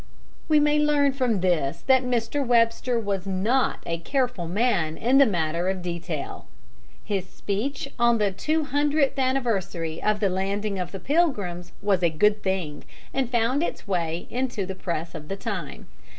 We may learn from this that Mr. Webster was not a careful man in the matter of detail. His speech on the two hundredth anniversary of the landing of the Pilgrims was a good thing, and found its way into the press of the time.